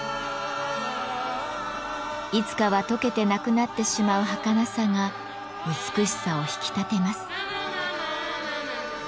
いつかはとけてなくなってしまうはかなさが美しさを引き立てます。